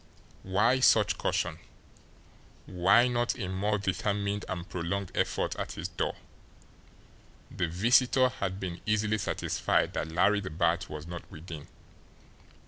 Why such caution? Why not a more determined and prolonged effort at his door the visitor had been easily satisfied that Larry the Bat was not within.